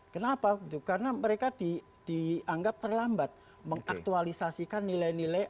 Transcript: kenapa karena mereka dianggap terlambat mengaktualisasikan nilai nilai